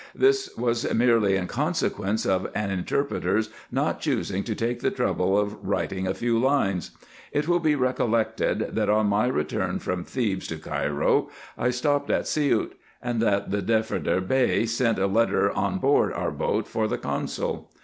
This was merely in con sequence of an interpreter's not choosing to take the trouble of writing a few lines. It will be recollected, that, on my return from Thebes to Cairo, I stopped at Siout ; and that the Defterdar Bey sent a letter on board our boat for the consul.